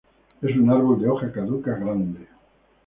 Es un árbol de hoja caduca grande.